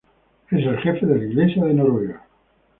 Es el jefe de la Iglesia de Noruega.